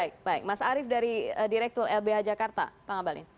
baik baik mas arief dari direktur lbh jakarta pak ngabalin